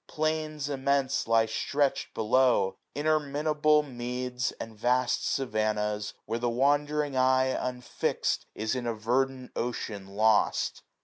Plains immense Lie stretch'd below, interminable meads, 691 And vast savannahs, where the wandering eye, Unfixt, is in a verdant ocean lost.